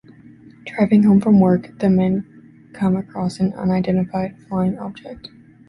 Driving home from work, the men come across an unidentified flying object.